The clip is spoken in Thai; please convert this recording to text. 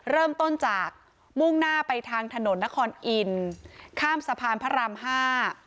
เริ่มต้นจากมุ่งหน้าไปทางถนนนครอินทร์ข้ามสะพานพระรามห้า